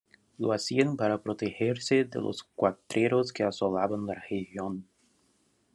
Lo hacían para protegerse de los cuatreros que asolaban la región.